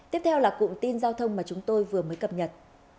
tiếp theo là cụm tin giao thông mà chúng tôi vừa mới cập nhật